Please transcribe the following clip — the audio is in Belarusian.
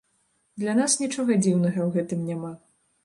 Для нас нічога дзіўнага ў гэтым няма.